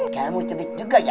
kamu cedek juga ya